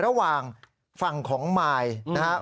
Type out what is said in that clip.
ระหว่างฝั่งของมายนะครับ